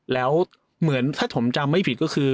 แล้วถ้าผมทรงไม่ผิดก็คือ